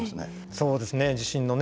そうですね地震のね